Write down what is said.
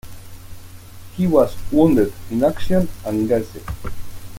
He was wounded in action and gassed.